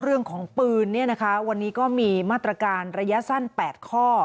เรื่องของปืนวันนี้ก็มีมาตรการระยะสั้น๘ข้อ